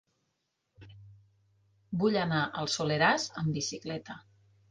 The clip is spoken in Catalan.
Vull anar al Soleràs amb bicicleta.